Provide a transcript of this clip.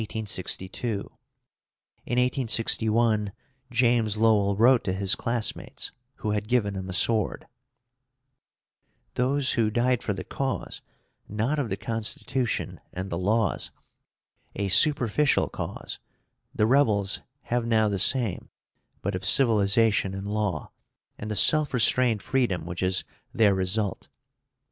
In 1861, James Lowell wrote to his classmates, who had given him a sword: Those who died for the cause, not of the Constitution and the laws, a superficial cause, the rebels have now the same, but of civilization and law, and the self restrained freedom which is their result.